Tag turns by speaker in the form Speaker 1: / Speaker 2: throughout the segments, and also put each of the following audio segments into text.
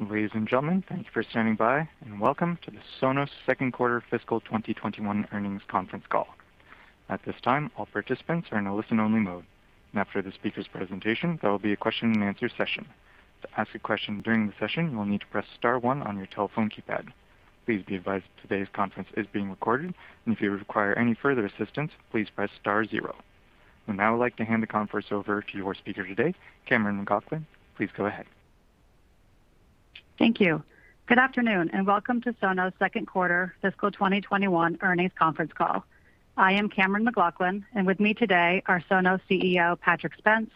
Speaker 1: Ladies and gentlemen, thank you for standing by, and welcome to the Sonos second quarter fiscal 2021 earnings conference call. At this time, all participants are in a listen only mode, and after the speaker's presentation there will be a question-and-answer session. To ask a question during the session, we'll need to press star one on your telephone keypad. Please be advised today's conference is being recorded and if you require any further assistance, please press star zero. We now would like to hand the conference over to your speaker today, Cammeron McLaughlin. Please go ahead.
Speaker 2: Thank you. Good afternoon, welcome to Sonos' second quarter fiscal 2021 earnings conference call. I am Cammeron McLaughlin, and with me today are Sonos CEO, Patrick Spence;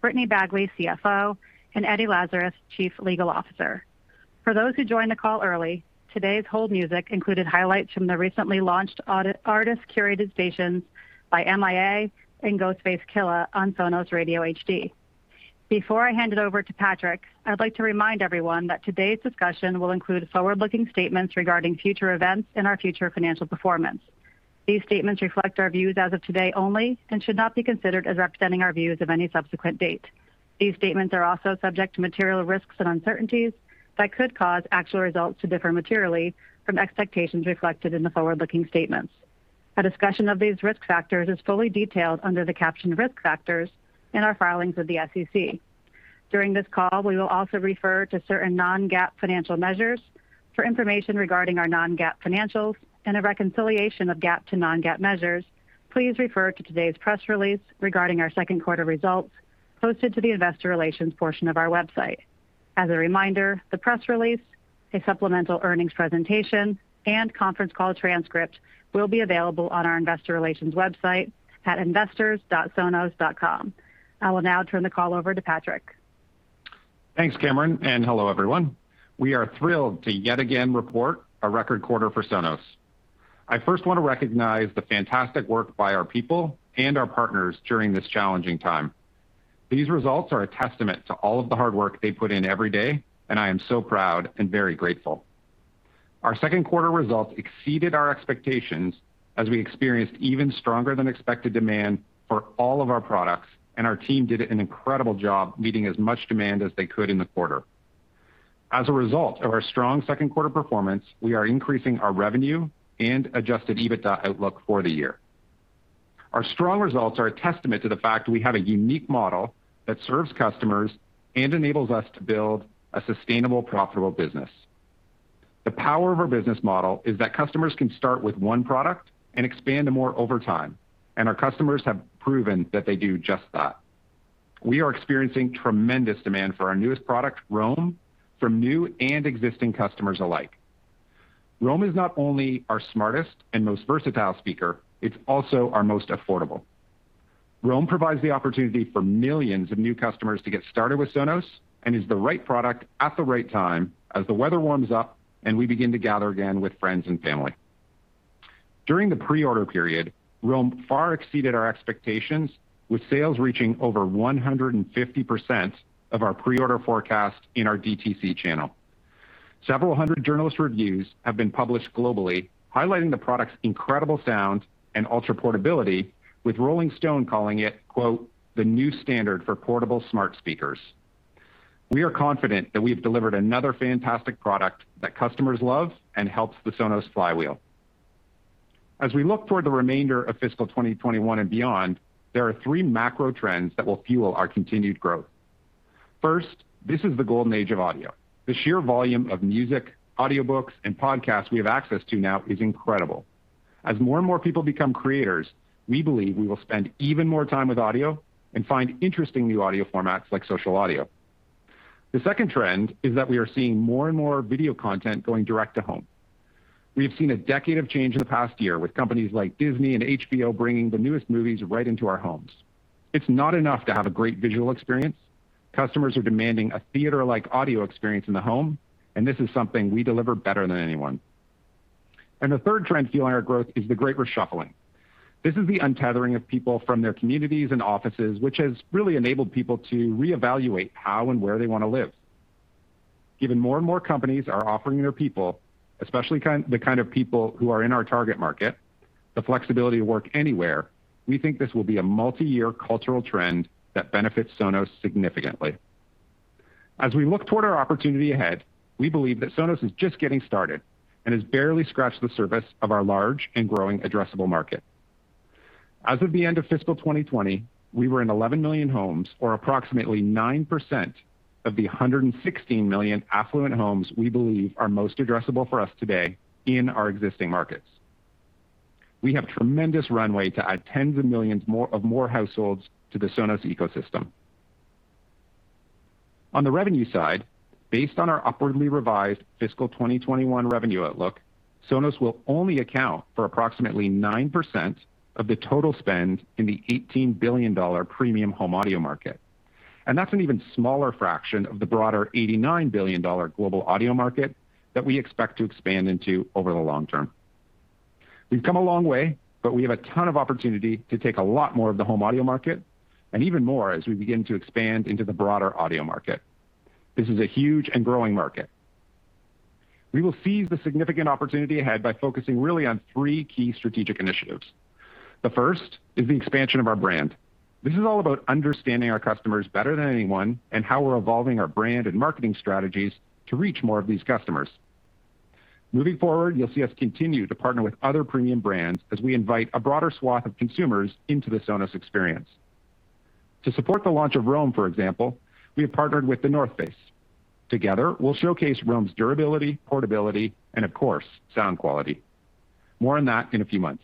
Speaker 2: Brittany Bagley, CFO; and Eddie Lazarus, Chief Legal Officer. For those who joined the call early, today's hold music included highlights from the recently launched artist-curated stations by M.I.A. and Ghostface Killah on Sonos Radio HD. Before I hand it over to Patrick, I'd like to remind everyone that today's discussion will include forward-looking statements regarding future events and our future financial performance. These statements reflect our views as of today only and should not be considered as representing our views of any subsequent date. These statements are also subject to material risks and uncertainties that could cause actual results to differ materially from expectations reflected in the forward-looking statements. A discussion of these Risk Factors is fully detailed under the caption Risk Factors in our filings with the SEC. During this call, we will also refer to certain non-GAAP financial measures. For information regarding our non-GAAP financials and a reconciliation of GAAP to non-GAAP measures, please refer to today's press release regarding our second quarter results posted to the investor relations portion of our website. As a reminder, the press release, a supplemental earnings presentation, and conference call transcript will be available on our investor relations website at investors.sonos.com. I will now turn the call over to Patrick.
Speaker 3: Thanks, Cammeron. Hello, everyone. We are thrilled to yet again report a record quarter for Sonos. I first want to recognize the fantastic work by our people and our partners during this challenging time. These results are a testament to all of the hard work they put in every day, and I am so proud and very grateful. Our second quarter results exceeded our expectations as we experienced even stronger than expected demand for all of our products, and our team did an incredible job meeting as much demand as they could in the quarter. As a result of our strong second quarter performance, we are increasing our revenue and adjusted EBITDA outlook for the year. Our strong results are a testament to the fact we have a unique model that serves customers and enables us to build a sustainable, profitable business. The power of our business model is that customers can start with one product and expand to more over time, and our customers have proven that they do just that. We are experiencing tremendous demand for our newest product, Roam, from new and existing customers alike. Roam is not only our smartest and most versatile speaker, it's also our most affordable. Roam provides the opportunity for millions of new customers to get started with Sonos and is the right product at the right time as the weather warms up and we begin to gather again with friends and family. During the pre-order period, Roam far exceeded our expectations with sales reaching over 150% of our pre-order forecast in our DTC channel. Several hundred journalist reviews have been published globally, highlighting the product's incredible sound and ultra portability, with Rolling Stone calling it, quote, the new standard for portable smart speakers. We are confident that we've delivered another fantastic product that customers love and helps the Sonos flywheel. As we look toward the remainder of Fiscal 2021 and beyond, there are three macro trends that will fuel our continued growth. First, this is the golden age of audio. The sheer volume of music, audiobooks, and podcasts we have access to now is incredible. As more and more people become creators, we believe we will spend even more time with audio and find interesting new audio formats like social audio. The second trend is that we are seeing more and more video content going direct to home. We've seen a decade of change in the past year with companies like Disney and HBO bringing the newest movies right into our homes. It's not enough to have a great visual experience. Customers are demanding a theater-like audio experience in the home, and this is something we deliver better than anyone. The third trend fueling our growth is the Great Reshuffling. This is the untethering of people from their communities and offices, which has really enabled people to reevaluate how and where they want to live. Given more and more companies are offering their people, especially the kind of people who are in our target market, the flexibility to work anywhere, we think this will be a multi-year cultural trend that benefits Sonos significantly. As we look toward our opportunity ahead, we believe that Sonos is just getting started and has barely scratched the surface of our large and growing addressable market. As of the end of Fiscal 2020, we were in 11 million homes, or approximately 9% of the 116 million affluent homes we believe are most addressable for us today in our existing markets. We have tremendous runway to add tens of millions of more households to the Sonos ecosystem. On the revenue side, based on our upwardly revised Fiscal 2021 revenue outlook, Sonos will only account for approximately 9% of the total spend in the $18 billion premium home audio market. That's an even smaller fraction of the broader $89 billion global audio market that we expect to expand into over the long-term. We've come a long way. We have a ton of opportunity to take a lot more of the home audio market and even more as we begin to expand into the broader audio market. This is a huge and growing market. We will seize the significant opportunity ahead by focusing really on three key strategic initiatives. The first is the expansion of our brand. This is all about understanding our customers better than anyone and how we're evolving our brand and marketing strategies to reach more of these customers. Moving forward, you'll see us continue to partner with other premium brands as we invite a broader swath of consumers into the Sonos experience. To support the launch of Roam, for example, we have partnered with The North Face. Together, we'll showcase Roam's durability, portability and of course, sound quality. More on that in a few months.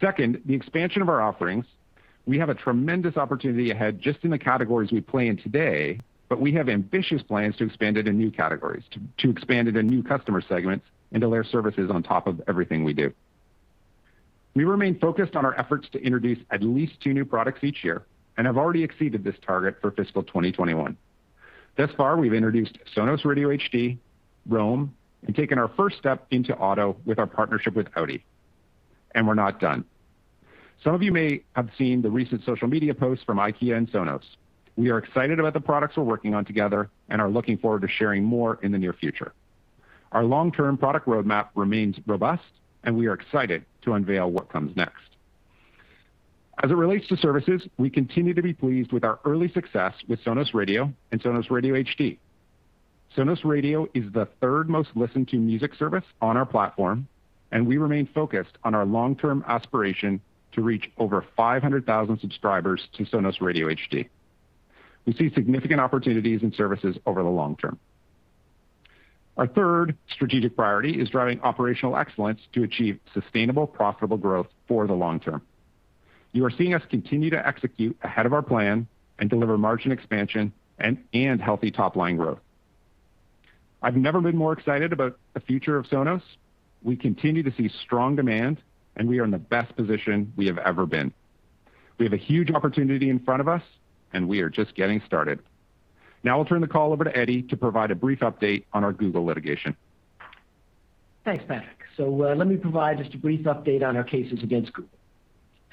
Speaker 3: Second, the expansion of our offerings. We have a tremendous opportunity ahead just in the categories we play in today, but we have ambitious plans to expand it in new categories, to expand it in new customer segments, and to layer services on top of everything we do. We remain focused on our efforts to introduce at least two new products each year and have already exceeded this target for fiscal 2021. Thus far, we've introduced Sonos Radio HD, Roam, and taken our first step into auto with our partnership with Audi, and we're not done. Some of you may have seen the recent social media posts from IKEA and Sonos. We are excited about the products we're working on together and are looking forward to sharing more in the near future. Our long-term product roadmap remains robust and we are excited to unveil what comes next. As it relates to services, we continue to be pleased with our early success with Sonos Radio and Sonos Radio HD. Sonos Radio is the third most listened to music service on our platform, and we remain focused on our long-term aspiration to reach over 500,000 subscribers to Sonos Radio HD. We see significant opportunities in services over the long term. Our third strategic priority is driving operational excellence to achieve sustainable, profitable growth for the long-term. You are seeing us continue to execute ahead of our plan and deliver margin expansion and healthy top-line growth. I've never been more excited about the future of Sonos. We continue to see strong demand, and we are in the best position we have ever been. We have a huge opportunity in front of us and we are just getting started. Now I'll turn the call over to Eddie to provide a brief update on our Google litigation.
Speaker 4: Thanks, Patrick. Let me provide just a brief update on our cases against Google.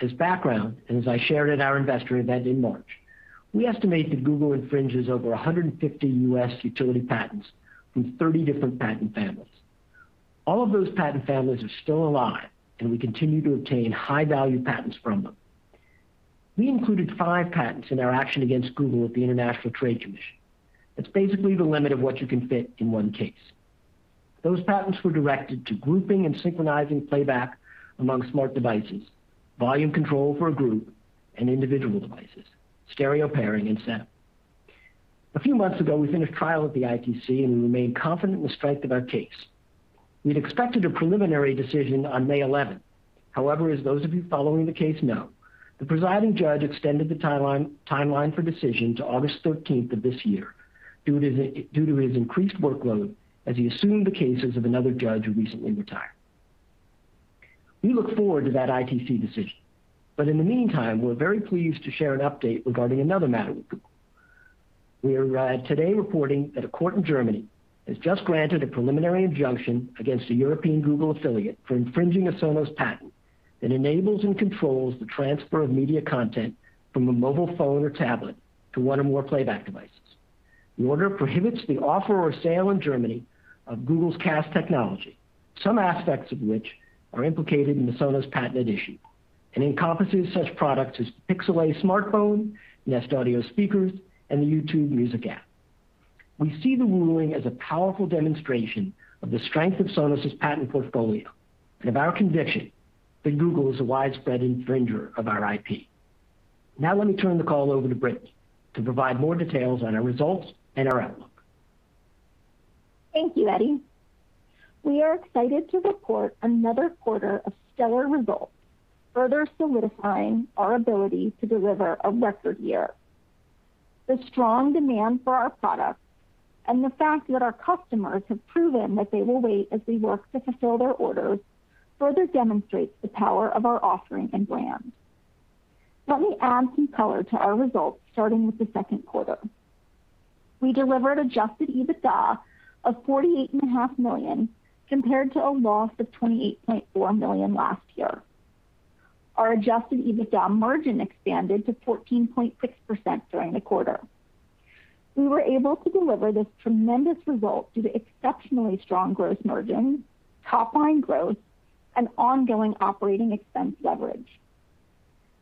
Speaker 4: As background, and as I shared at our investor event in March, we estimate that Google infringes over 150 U.S. utility patents from 30 different patent families. All of those patent families are still alive, and we continue to obtain high-value patents from them. We included five patents in our action against Google at the International Trade Commission. That's basically the limit of what you can fit in one case. Those patents were directed to grouping and synchronizing playback among smart devices, volume control for a group and individual devices, stereo pairing and sound. A few months ago, we finished trial at the ITC and we remain confident in the strength of our case. We'd expected a preliminary decision on May 11th. However, as those of you following the case know, the presiding judge extended the timeline for decision to August 13th of this year due to his increased workload as he assumed the cases of another judge who recently retired. We look forward to that ITC decision. In the meantime, we're very pleased to share an update regarding another matter with Google. We are today reporting that a court in Germany has just granted a preliminary injunction against a European Google affiliate for infringing a Sonos patent that enables and controls the transfer of media content from a mobile phone or tablet to one or more playback devices. The order prohibits the offer or sale in Germany of Google's Cast technology, some aspects of which are implicated in the Sonos patent at issue and encompasses such products as Pixel A smartphone, Nest Audio speakers, and the YouTube Music app. We see the ruling as a powerful demonstration of the strength of Sonos' patent portfolio and of our conviction that Google is a widespread infringer of our IP. Now let me turn the call over to Britt to provide more details on our results and our outlook.
Speaker 5: Thank you, Eddie. We are excited to report another quarter of stellar results, further solidifying our ability to deliver a record year. The strong demand for our products and the fact that our customers have proven that they will wait as we work to fulfill their orders further demonstrates the power of our offering and brand. Let me add some color to our results, starting with the second quarter. We delivered adjusted EBITDA of $48.5 million, compared to a loss of $28.4 million last year. Our adjusted EBITDA margin expanded to 14.6% during the quarter. We were able to deliver this tremendous result due to exceptionally strong gross margins, top-line growth, and ongoing operating expense leverage.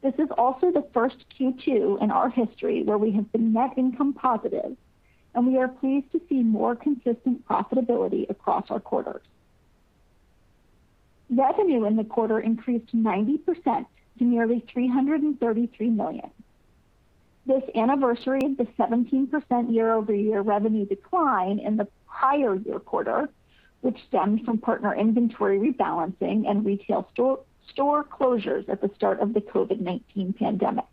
Speaker 5: This is also the first Q2 in our history where we have been net income positive, and we are pleased to see more consistent profitability across our quarters. Revenue in the quarter increased 90% to nearly $333 million. This anniversaries the 17% year-over-year revenue decline in the prior year quarter, which stemmed from partner inventory rebalancing and retail store closures at the start of the COVID-19 pandemic.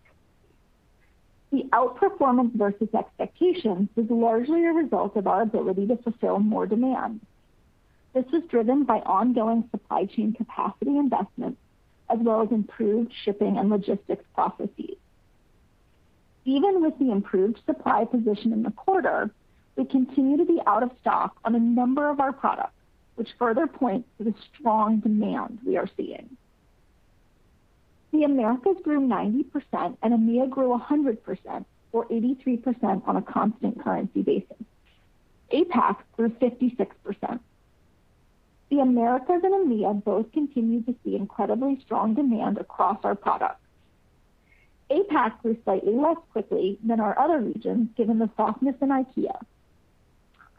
Speaker 5: The outperformance versus expectations was largely a result of our ability to fulfill more demand. This was driven by ongoing supply chain capacity investments, as well as improved shipping and logistics processes. Even with the improved supply position in the quarter, we continue to be out of stock on a number of our products, which further points to the strong demand we are seeing. The Americas grew 90% and EMEA grew 100%, or 83% on a constant currency basis. APAC grew 56%. The Americas and EMEA both continued to see incredibly strong demand across our products. APAC grew slightly less quickly than our other regions, given the softness in IKEA.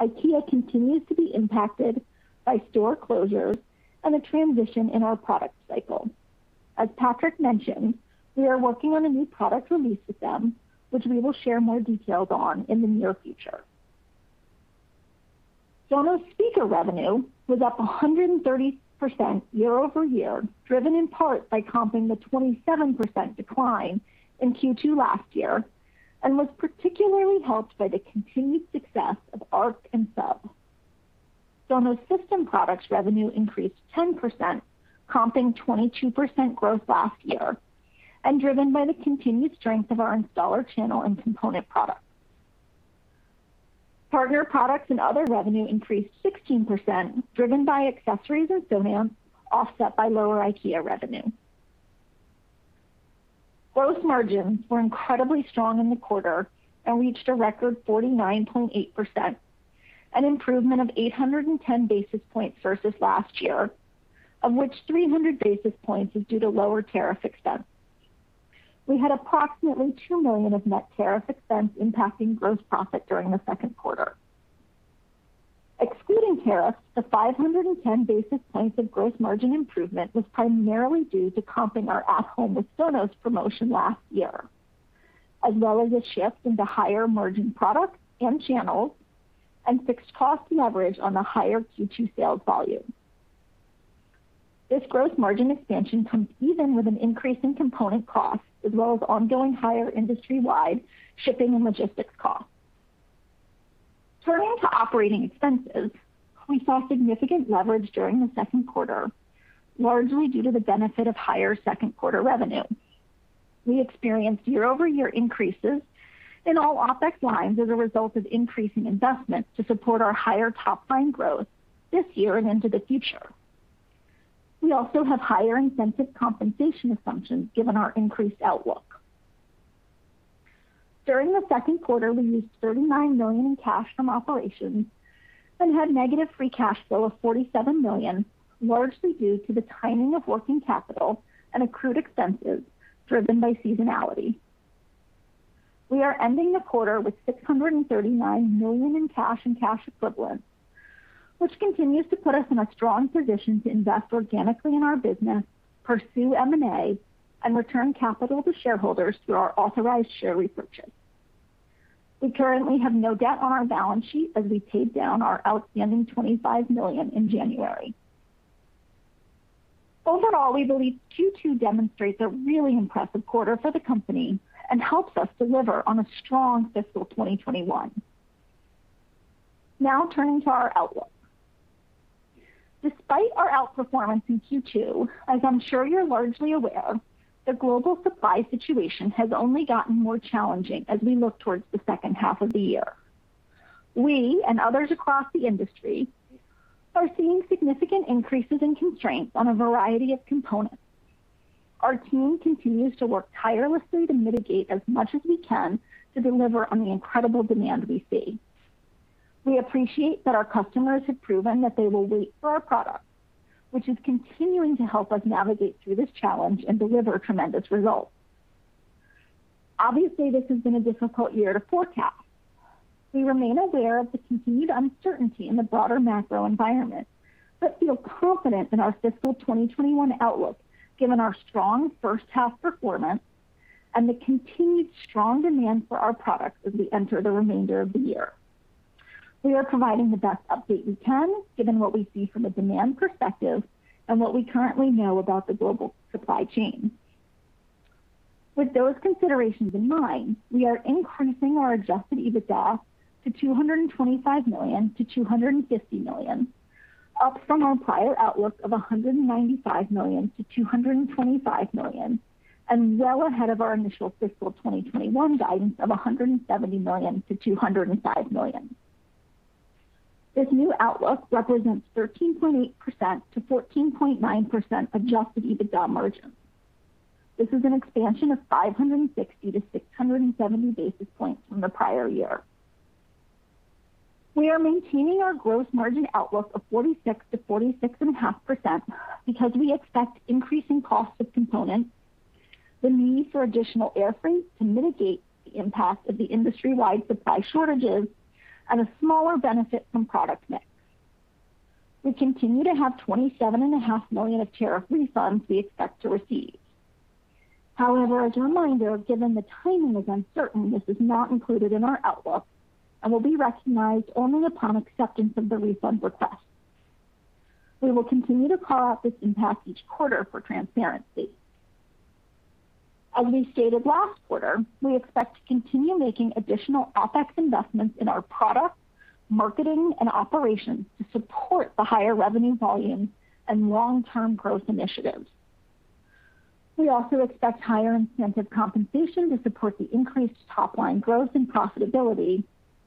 Speaker 5: IKEA continues to be impacted by store closures and the transition in our product cycle. As Patrick mentioned, we are working on a new product release with them, which we will share more details on in the near future. Sonos speaker revenue was up 130% year-over-year, driven in part by comping the 27% decline in Q2 last year, and was particularly helped by the continued success of Arc and Sub. Sonos system products revenue increased 10%, comping 22% growth last year and driven by the continued strength of our installer channel and component products. Partner products and other revenue increased 16%, driven by accessories at Sonos, offset by lower IKEA revenue. Gross margins were incredibly strong in the quarter and reached a record 49.8%, an improvement of 810 basis points versus last year, of which 300 basis points is due to lower tariff expense. We had approximately $2 million of net tariff expense impacting gross profit during the second quarter. Excluding tariffs, the 510 basis points of gross margin improvement was primarily due to comping our At Home with Sonos promotion last year, as well as a shift into higher-margin products and channels, and fixed cost leverage on the higher Q2 sales volume. This gross margin expansion comes even with an increase in component costs, as well as ongoing higher industry-wide shipping and logistics costs. Turning to operating expenses, we saw significant leverage during the second quarter, largely due to the benefit of higher second quarter revenue. We experienced year-over-year increases in all OpEx lines as a result of increasing investments to support our higher top-line growth this year and into the future. We also have higher incentive compensation assumptions given our increased outlook. During the second quarter, we used $39 million in cash from operations and had negative free cash flow of $47 million, largely due to the timing of working capital and accrued expenses driven by seasonality. We are ending the quarter with $639 million in cash and cash equivalents, which continues to put us in a strong position to invest organically in our business, pursue M&A, and return capital to shareholders through our authorized share repurchase. We currently have no debt on our balance sheet as we paid down our outstanding $25 million in January. Overall, we believe Q2 demonstrates a really impressive quarter for the company and helps us deliver on a strong Fiscal 2021. Now turning to our outlook. Despite our outperformance in Q2, as I'm sure you're largely aware, the global supply situation has only gotten more challenging as we look towards the second half of the year. We and others across the industry are seeing significant increases in constraints on a variety of components. Our team continues to work tirelessly to mitigate as much as we can to deliver on the incredible demand we see. We appreciate that our customers have proven that they will wait for our product, which is continuing to help us navigate through this challenge and deliver tremendous results. Obviously, this has been a difficult year to forecast. We remain aware of the continued uncertainty in the broader macro environment, but feel confident in our Fiscal 2021 outlook given our strong first half performance and the continued strong demand for our products as we enter the remainder of the year. We are providing the best update we can given what we see from a demand perspective and what we currently know about the global supply chain. With those considerations in mind, we are increasing our adjusted EBITDA to $225 million-$250 million, up from our prior outlook of $195 million-$225 million and well ahead of our initial Fiscal 2021 guidance of $170 million-$205 million. This new outlook represents 13.8%-14.9% adjusted EBITDA margin. This is an expansion of 560-670 basis points from the prior year. We are maintaining our gross margin outlook of 46%-46.5% because we expect increasing costs of components, the need for additional air freight to mitigate the impact of the industry-wide supply shortages, and a smaller benefit from product mix. We continue to have $27.5 million of tariff refunds we expect to receive. However, as a reminder, given the timing is uncertain, this is not included in our outlook and will be recognized only upon acceptance of the refund request. We will continue to call out this impact each quarter for transparency. As we stated last quarter, we expect to continue making additional OpEx investments in our product, marketing, and operations to support the higher revenue volume and long-term growth initiatives. We also expect higher incentive compensation to support the increased top-line growth and profitability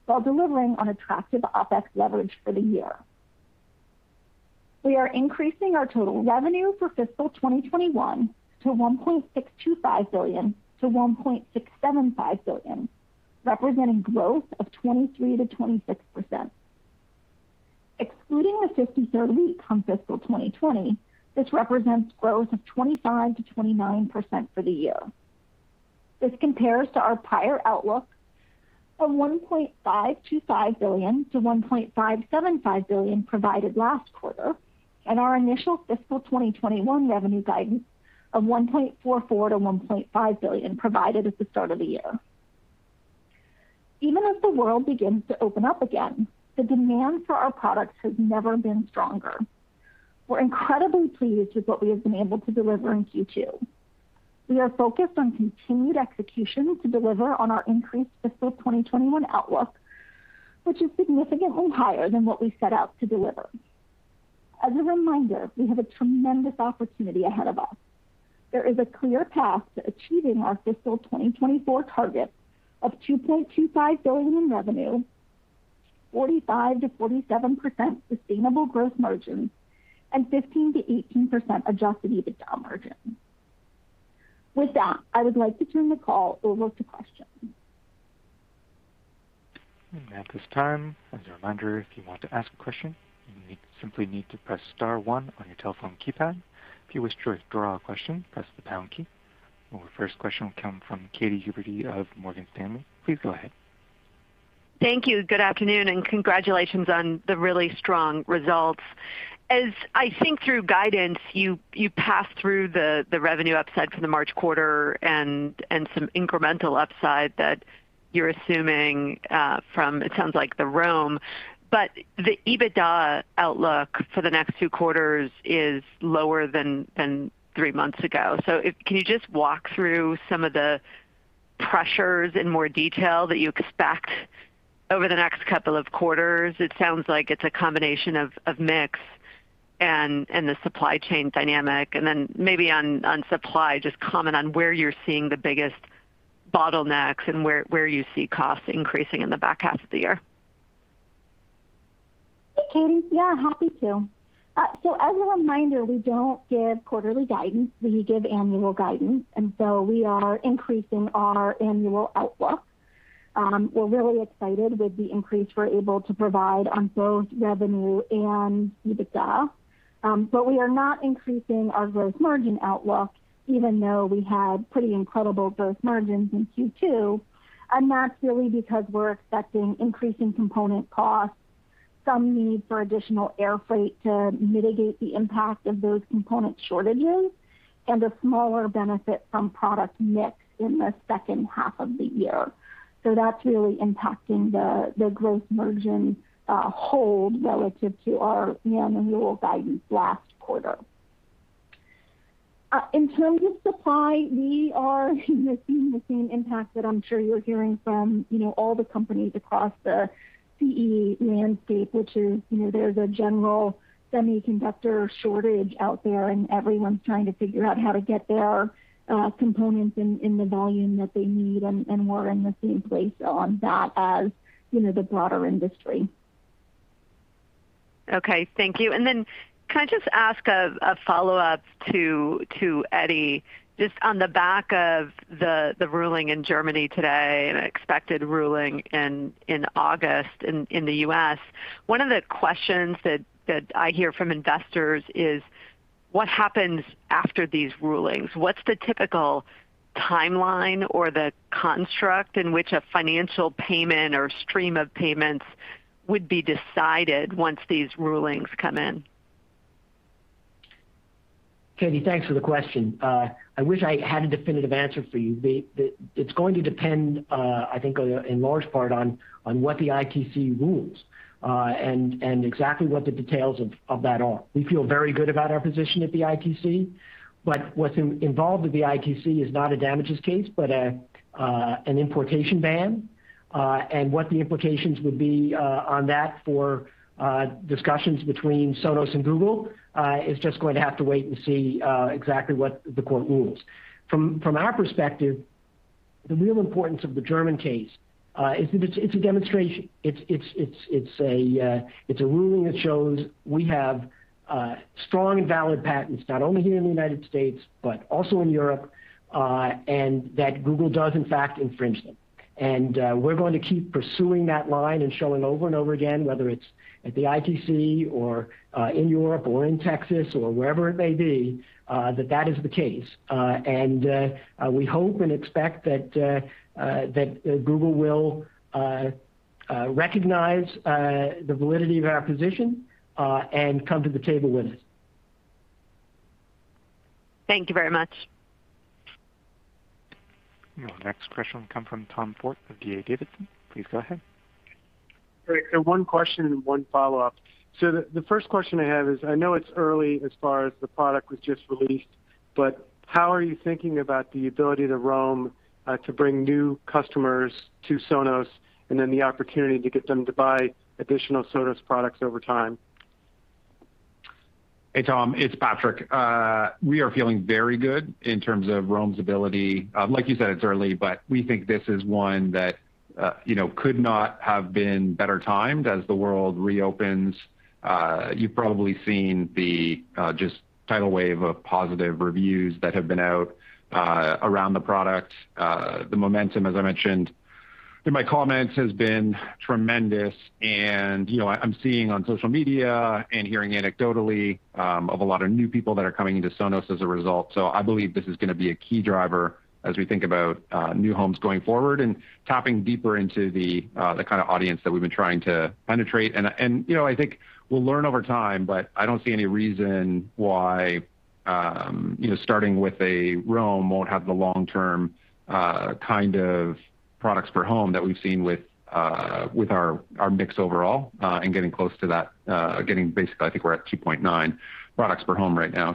Speaker 5: while delivering on attractive OpEx leverage for the year. We are increasing our total revenue for Fiscal 2021 to $1.625 billion-$1.675 billion, representing growth of 23%-26%. Excluding the 53rd week from Fiscal 2020, this represents growth of 25%-29% for the year. This compares to our prior outlook from $1.525 billion-$1.575 billion provided last quarter, and our initial Fiscal 2021 revenue guidance of $1.44 billion-$1.5 billion provided at the start of the year. Even as the world begins to open up again, the demand for our products has never been stronger. We're incredibly pleased with what we have been able to deliver in Q2. We are focused on continued execution to deliver on our increased fiscal 2021 outlook, which is significantly higher than what we set out to deliver. As a reminder, we have a tremendous opportunity ahead of us. There is a clear path to achieving our Fiscal 2024 targets of $2.25 billion in revenue, 45%-47% sustainable gross margins, and 15%-18% adjusted EBITDA margins. With that, I would like to turn the call over to questions.
Speaker 1: At this time, as a reminder, if you want to ask a question, you simply need to press star one on your telephone keypad. If you wish to withdraw a question, press the pound key. Our first question will come from Katy Huberty of Morgan Stanley. Please go ahead.
Speaker 6: Thank you. Good afternoon, and congratulations on the really strong results. As I think through guidance, you passed through the revenue upside for the March quarter and some incremental upside that you're assuming from, it sounds like, the Roam, but the EBITDA outlook for the next two quarters is lower than three months ago. Can you just walk through some of the pressures in more detail that you expect over the next couple of quarters? It sounds like it's a combination of mix and the supply chain dynamic. Then maybe on supply, just comment on where you're seeing the biggest bottlenecks and where you see costs increasing in the back half of the year.
Speaker 5: Hey, Katy. Yeah, happy to. As a reminder, we don't give quarterly guidance. We give annual guidance, and we are increasing our annual outlook. We're really excited with the increase we're able to provide on both revenue and EBITDA. We are not increasing our gross margin outlook even though we had pretty incredible gross margins in Q2, and that's really because we're expecting increasing component costs, some need for additional air freight to mitigate the impact of those component shortages, and a smaller benefit from product mix in the second half of the year. That's really impacting the gross margin hold relative to our annual guidance last quarter. In terms of supply, we are seeing the same impact that I'm sure you're hearing from all the companies across the CE landscape, which is there's a general semiconductor shortage out there, and everyone's trying to figure out how to get their components in the volume that they need. We're in the same place on that as the broader industry.
Speaker 6: Okay, thank you. Can I just ask a follow-up to Eddie, just on the back of the ruling in Germany today and an expected ruling in August in the U.S. One of the questions that I hear from investors is what happens after these rulings. What's the typical timeline or the construct in which a financial payment or stream of payments would be decided once these rulings come in?
Speaker 4: Katy, thanks for the question. I wish I had a definitive answer for you. It's going to depend, I think, in large part on what the ITC rules, and exactly what the details of that are. We feel very good about our position at the ITC, but what's involved with the ITC is not a damages case, but an importation ban. What the implications would be on that for discussions between Sonos and Google is just going to have to wait and see exactly what the court rules. From our perspective, the real importance of the German case, it's a demonstration. It's a ruling that shows we have strong and valid patents, not only here in the United States, but also in Europe, and that Google does in fact infringe them. We're going to keep pursuing that line and showing over and over again, whether it's at the ITC or in Europe or in Texas or wherever it may be, that that is the case. We hope and expect that Google will recognize the validity of our position and come to the table with us.
Speaker 6: Thank you very much.
Speaker 1: Your next question will come from Tom Forte of D.A. Davidson. Please go ahead.
Speaker 7: Great. One question and one follow-up. The first question I have is, I know it's early as far as the product was just released, but how are you thinking about the ability of the Roam to bring new customers to Sonos, and then the opportunity to get them to buy additional Sonos products over time?
Speaker 3: Hey, Tom, it's Patrick. We are feeling very good in terms of Roam's ability. Like you said, it's early, but we think this is one that could not have been better timed as the world reopens. You've probably seen the tidal wave of positive reviews that have been out around the product. The momentum, as I mentioned in my comments, has been tremendous. I'm seeing on social media and hearing anecdotally of a lot of new people that are coming into Sonos as a result. I believe this is going to be a key driver as we think about new homes going forward and tapping deeper into the kind of audience that we've been trying to penetrate. I think we'll learn over time, but I don't see any reason why starting with a Roam won't have the long-term kind of products per home that we've seen with our mix overall, and getting close to that. Basically, I think we're at 2.9 products per home right now.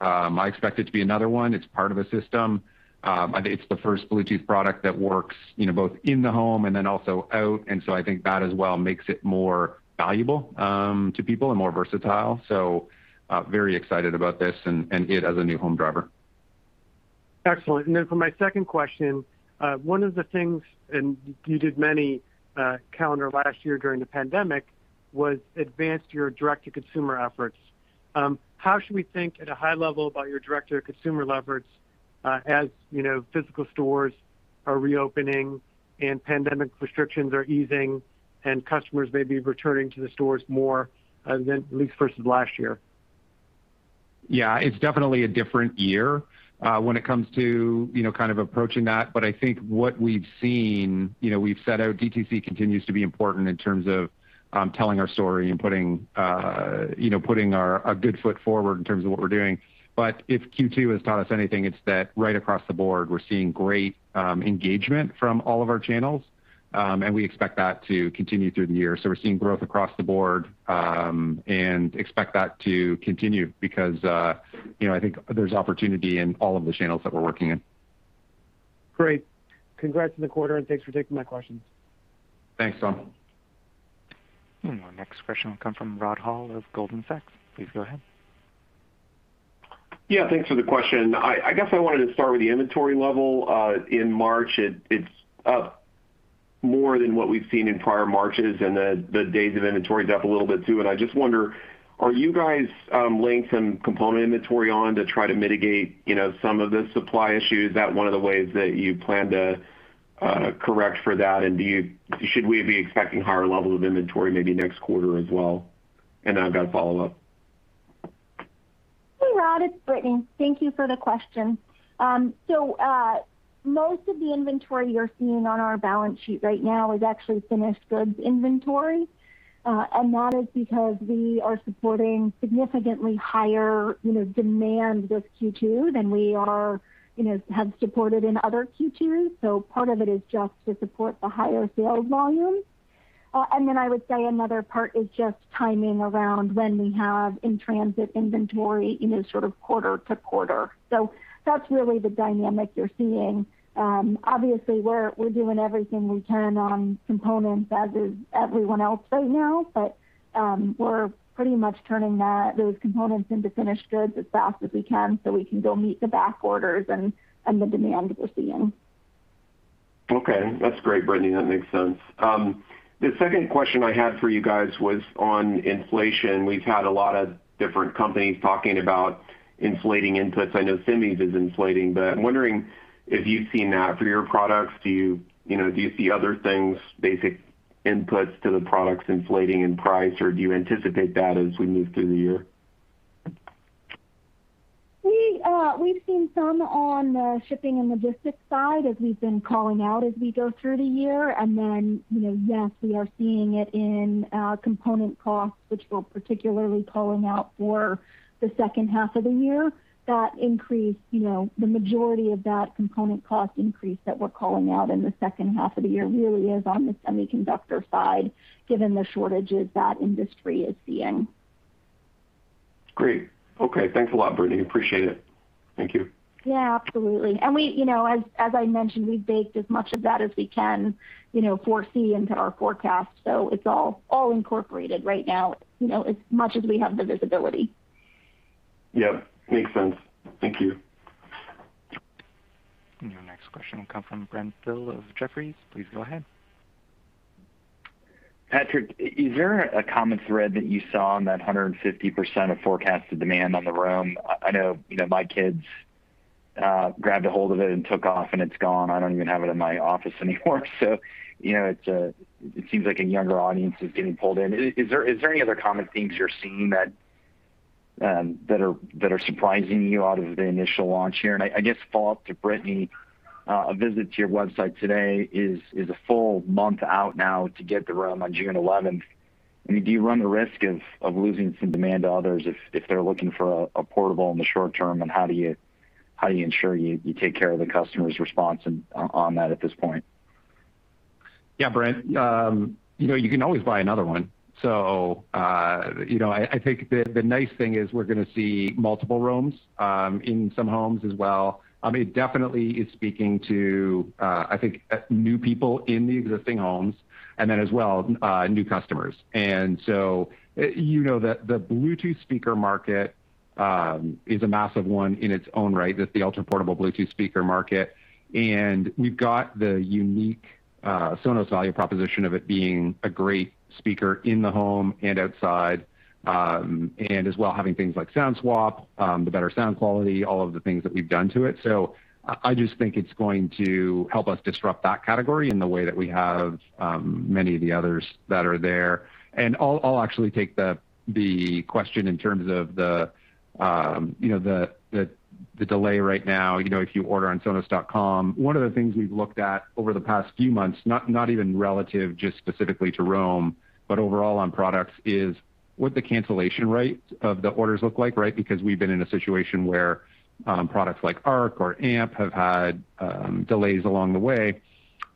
Speaker 3: I expect it to be another one. It's part of a system. I think it's the first Bluetooth product that works both in the home and then also out. I think that as well makes it more valuable to people and more versatile. Very excited about this and it as a new home driver.
Speaker 7: Excellent. For my second question, one of the things, and you did many calendar last year during the pandemic, was advanced your direct-to-consumer efforts. How should we think at a high level about your direct-to-consumer efforts, as physical stores are reopening and pandemic restrictions are easing and customers may be returning to the stores more at least versus last year?
Speaker 3: Yeah, it's definitely a different year when it comes to kind of approaching that. I think what we've seen, we've set out DTC continues to be important in terms of telling our story and putting our good foot forward in terms of what we're doing. If Q2 has taught us anything, it's that right across the board, we're seeing great engagement from all of our channels, and we expect that to continue through the year. We're seeing growth across the board, and expect that to continue because I think there's opportunity in all of the channels that we're working in.
Speaker 7: Great. Congrats on the quarter and thanks for taking my questions.
Speaker 3: Thanks, Tom.
Speaker 1: Our next question will come from Rod Hall of Goldman Sachs. Please go ahead.
Speaker 8: Yeah, thanks for the question. I guess I wanted to start with the inventory level. In March, it's up more than what we've seen in prior Marches, and the days of inventory is up a little bit too. I just wonder, are you guys laying some component inventory on to try to mitigate some of the supply issues? Is that one of the ways that you plan to correct for that? Should we be expecting higher level of inventory maybe next quarter as well? I've got a follow-up.
Speaker 5: Hey, Rod, it's Brittany. Thank you for the question. Most of the inventory you're seeing on our balance sheet right now is actually finished goods inventory. That is because we are supporting significantly higher demand this Q2 than we have supported in other Q2s. Part of it is just to support the higher sales volume. I would say another part is just timing around when we have in-transit inventory sort of quarter-to-quarter. That's really the dynamic you're seeing. Obviously, we're doing everything we can on components, as is everyone else right now. We're pretty much turning those components into finished goods as fast as we can so we can go meet the back orders and the demand that we're seeing.
Speaker 8: Okay. That's great, Brittany. That makes sense. The second question I had for you guys was on inflation. We've had a lot of different companies talking about inflating inputs. I know semis is inflating, but I'm wondering if you've seen that through your products. Do you see other things, basic inputs to the products inflating in price, or do you anticipate that as we move through the year?
Speaker 5: We've seen some on the shipping and logistics side as we've been calling out as we go through the year. Yes, we are seeing it in our component costs, which we're particularly calling out for the second half of the year. The majority of that component cost increase that we're calling out in the second half of the year really is on the semiconductor side, given the shortages that industry is seeing.
Speaker 8: Great. Okay. Thanks a lot, Brittany. Appreciate it. Thank you.
Speaker 5: Yeah, absolutely. As I mentioned, we've baked as much of that as we can foresee into our forecast. It's all incorporated right now, as much as we have the visibility.
Speaker 8: Yeah. Makes sense. Thank you.
Speaker 1: Your next question will come from Brent Thill of Jefferies. Please go ahead.
Speaker 9: Patrick, is there a common thread that you saw on that 150% of forecasted demand on the Roam? I know my kids grabbed a hold of it and took off and it's gone. I don't even have it in my office anymore. It seems like a younger audience is getting pulled in. Is there any other common themes you're seeing that are surprising you out of the initial launch here? I guess a follow-up to Brittany, a visit to your website today is a full month out now to get the Roam on June 11th. Do you run the risk of losing some demand to others if they're looking for a portable in the short term, and how do you ensure you take care of the customer's response on that at this point?
Speaker 3: Yeah, Brent. You can always buy another one. I think the nice thing is we're going to see multiple Roams in some homes as well. It definitely is speaking to, I think, new people in the existing homes, and then as well, new customers. The Bluetooth speaker market is a massive one in its own right. That's the ultra-portable Bluetooth speaker market. We've got the unique Sonos value proposition of it being a great speaker in the home and outside, and as well having things like Sound Swap, the better sound quality, all of the things that we've done to it. I just think it's going to help us disrupt that category in the way that we have many of the others that are there. I'll actually take the question in terms of the delay right now, if you order on sonos.com. One of the things we've looked at over the past few months, not even relative just specifically to Roam, but overall on products, is what the cancellation rate of the orders look like, right? Because we've been in a situation where products like Arc or Amp have had delays along the way.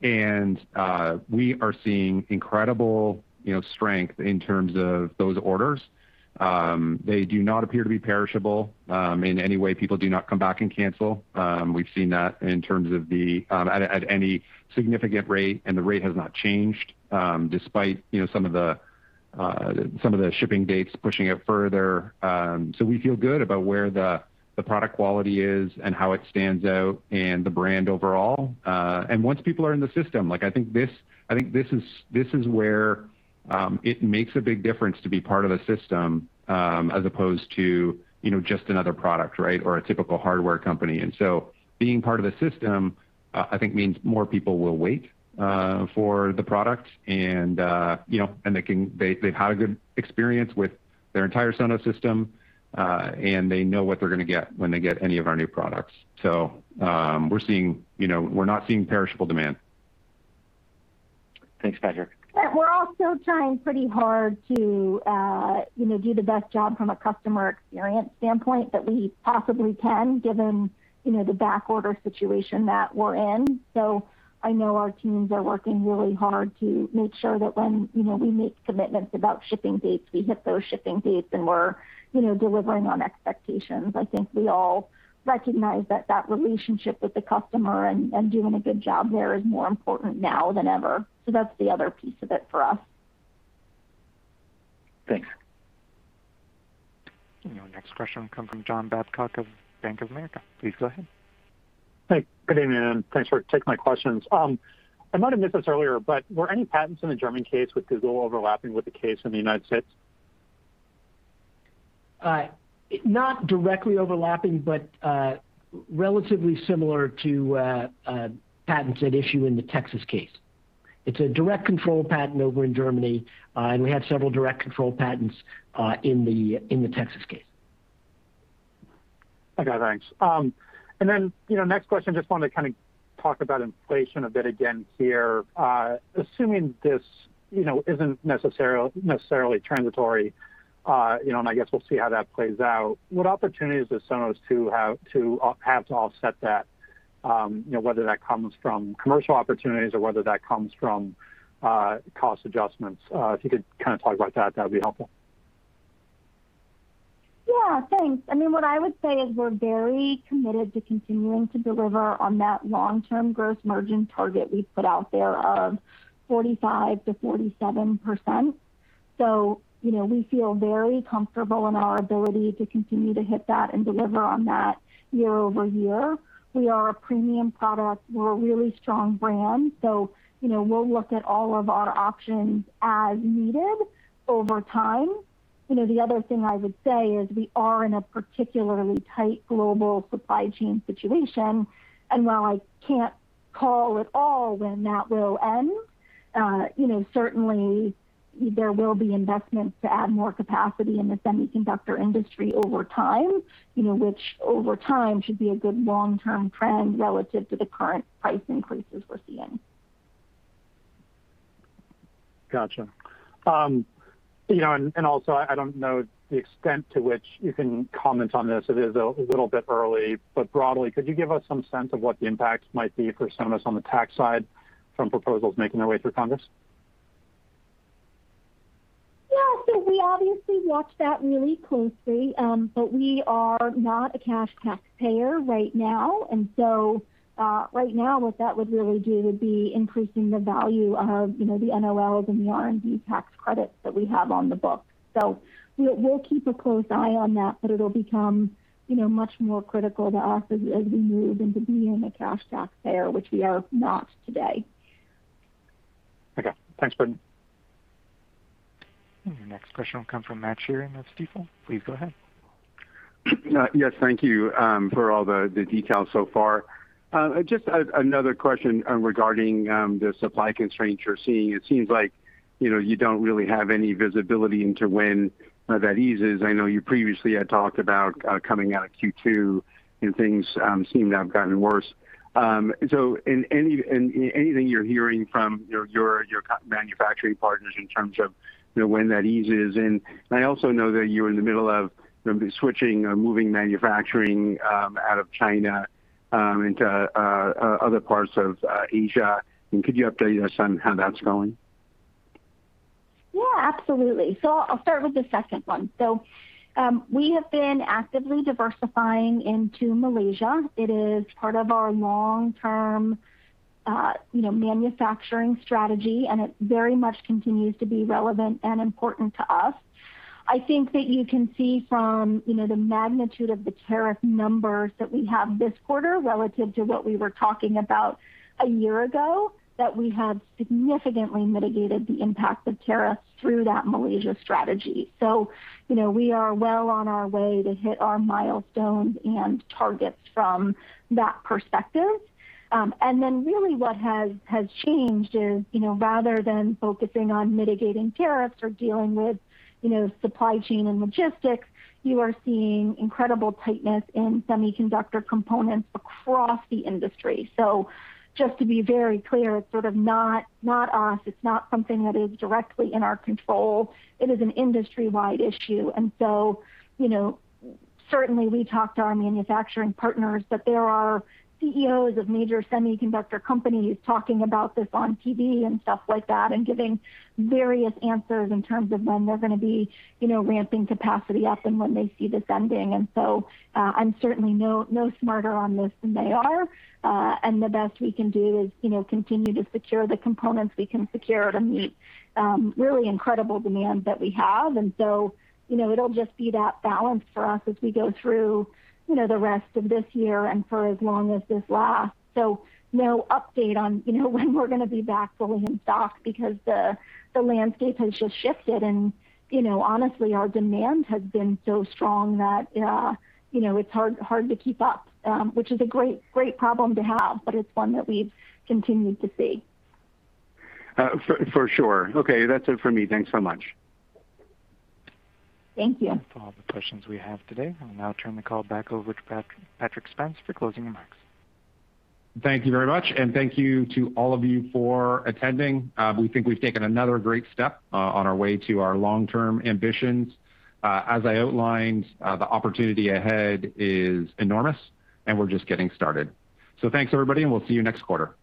Speaker 3: We are seeing incredible strength in terms of those orders. They do not appear to be perishable in any way. People do not come back and cancel. We've seen that at any significant rate, and the rate has not changed, despite some of the shipping dates pushing it further. We feel good about where the product quality is and how it stands out and the brand overall. Once people are in the system, I think this is where it makes a big difference to be part of a system, as opposed to just another product or a typical hardware company. Being part of a system, I think, means more people will wait for the product, and they've had a good experience with their entire Sonos system, and they know what they're going to get when they get any of our new products. We're not seeing perishable demand.
Speaker 9: Thanks, Patrick.
Speaker 5: We're also trying pretty hard to do the best job from a customer experience standpoint that we possibly can, given the back-order situation that we're in. I know our teams are working really hard to make sure that when we make commitments about shipping dates, we hit those shipping dates and we're delivering on expectations. I think we all recognize that that relationship with the customer and doing a good job there is more important now than ever. That's the other piece of it for us.
Speaker 9: Thanks.
Speaker 1: Our next question will come from John Babcock of Bank of America. Please go ahead.
Speaker 10: Hey, good evening, and thanks for taking my questions. I might have missed this earlier, but were any patents in the German case with Google overlapping with the case in the United States?
Speaker 4: Not directly overlapping, but relatively similar to patents at issue in the Texas case. It's a direct control patent over in Germany, and we have several direct control patents in the Texas case.
Speaker 10: Okay, thanks. Next question, just wanted to kind of talk about inflation a bit again here. Assuming this isn't necessarily transitory, and I guess we'll see how that plays out, what opportunities does Sonos have to offset that, whether that comes from commercial opportunities or whether that comes from cost adjustments? If you could kind of talk about that would be helpful.
Speaker 5: Yeah, thanks. What I would say is we're very committed to continuing to deliver on that long-term gross margin target we've put out there of 45%-47%. We feel very comfortable in our ability to continue to hit that and deliver on that year-over-year. We are a premium product. We're a really strong brand, so we'll look at all of our options as needed over time. The other thing I would say is we are in a particularly tight global supply chain situation, and while I can't call at all when that will end, certainly there will be investments to add more capacity in the semiconductor industry over time, which over time should be a good long-term trend relative to the current price increases we're seeing.
Speaker 10: Got you. Also, I don't know the extent to which you can comment on this. It is a little bit early, but broadly, could you give us some sense of what the impact might be for Sonos on the tax side from proposals making their way through Congress?
Speaker 5: We obviously watch that really closely. We are not a cash taxpayer right now. Right now, what that would really do would be increasing the value of the NOLs and the R&D tax credits that we have on the books. We'll keep a close eye on that, but it'll become much more critical to us as we move into being a cash taxpayer, which we are not today.
Speaker 10: Okay. Thanks, Brittany Bagley.
Speaker 1: Your next question will come from Matt Sheerin of Stifel. Please go ahead.
Speaker 11: Yes, thank you for all the details so far. Just another question regarding the supply constraints you're seeing. It seems like you don't really have any visibility into when that eases. I know you previously had talked about coming out of Q2, and things seem to have gotten worse. Anything you're hearing from your manufacturing partners in terms of when that eases in? I also know that you're in the middle of switching or moving manufacturing out of China into other parts of Asia. Could you update us on how that's going?
Speaker 5: Yeah, absolutely. I'll start with the second one. We have been actively diversifying into Malaysia. It is part of our long-term manufacturing strategy, and it very much continues to be relevant and important to us. I think that you can see from the magnitude of the tariff numbers that we have this quarter relative to what we were talking about a year ago, that we have significantly mitigated the impact of tariffs through that Malaysia strategy. We are well on our way to hit our milestones and targets from that perspective. Really what has changed is, rather than focusing on mitigating tariffs or dealing with supply chain and logistics, you are seeing incredible tightness in semiconductor components across the industry. Just to be very clear, it's sort of not us. It's not something that is directly in our control. It is an industry-wide issue. Certainly we talk to our manufacturing partners, but there are CEOs of major semiconductor companies talking about this on TV and stuff like that, and giving various answers in terms of when they're going to be ramping capacity up and when they see this ending. I'm certainly no smarter on this than they are. The best we can do is continue to secure the components we can secure to meet really incredible demand that we have. It'll just be that balance for us as we go through the rest of this year and for as long as this lasts. No update on when we're going to be back fully in stock because the landscape has just shifted and honestly, our demand has been so strong that it's hard to keep up. Which is a great problem to have, but it's one that we've continued to see.
Speaker 11: For sure. Okay. That's it for me. Thanks so much.
Speaker 5: Thank you.
Speaker 1: That's all the questions we have today. I'll now turn the call back over to Patrick Spence for closing remarks.
Speaker 3: Thank you very much, and thank you to all of you for attending. We think we've taken another great step on our way to our long-term ambitions. As I outlined, the opportunity ahead is enormous, and we're just getting started. Thanks everybody, and we'll see you next quarter.